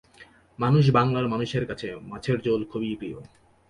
মানুষ বাংলার মানুষের কাছে মাছের ঝোল খুবই প্রিয়।